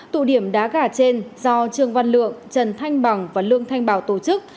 tụ điểm đá gà trên do trương văn lượng trần thanh bằng và lương thanh bảo tổ chức